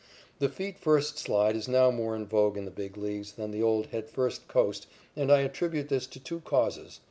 The feet first slide is now more in vogue in the Big Leagues than the old head first coast, and I attribute this to two causes.